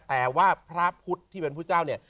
แต่ว่าพระพุทธที่เป็นพุทธเจ้าเนี่ย